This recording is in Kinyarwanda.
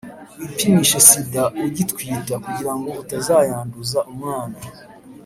wipimishe sida ugitwita kugirango utazayanduza umwana